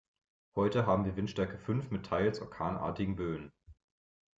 Heute haben wir Windstärke fünf mit teils orkanartigen Böen.